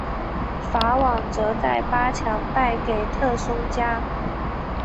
法网则在八强败给特松加。